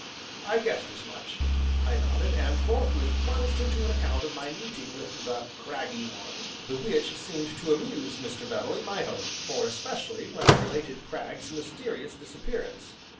"I guessed as much," I nodded, and forthwith plunged into an account of my meeting with the "craggy one," the which seemed to amuse Mr. Beverley mightily, more especially when I related Cragg's mysterious disappearance.